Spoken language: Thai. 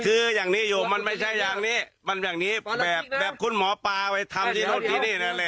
คืออย่างนี้อยู่มันไม่ใช่อย่างนี้มันอย่างนี้แบบคุณหมอปลาไปทำที่นู่นที่นี่นั่นแหละ